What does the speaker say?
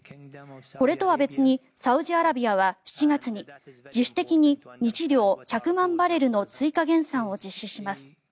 これとは別にサウジアラビアは７月に自主的に日量１００万バレルの追加減産を実施します。